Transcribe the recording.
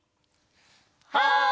はい！